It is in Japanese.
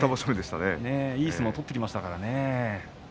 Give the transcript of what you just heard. いい相撲を取ってきましたからね。